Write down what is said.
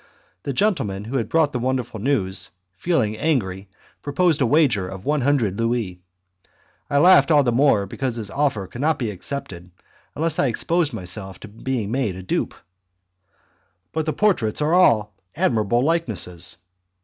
The gentleman who had brought the wonderful news, feeling angry, proposed a wager of one hundred louis. I laughed all the more because his offer could not be accepted unless I exposed myself to being made a dupe. "But the portraits are all admirable likenesses."